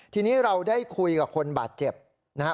ทีนี้เราได้คุยกับคนบาดเจ็บนะครับ